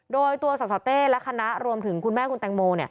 โดยตัวสสเต้และคณะรวมถึงคุณแม่คุณแตงโม